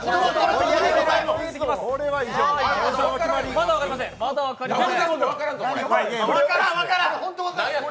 まだ分かりません、まだ分かりません。